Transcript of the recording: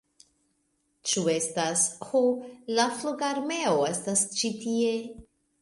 Ĉu estas... ho la flugarmeo estas ĉi tie!